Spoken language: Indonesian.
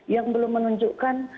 yang belum menunjukkan